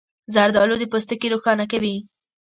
زردالو د پوستکي روښانه کوي.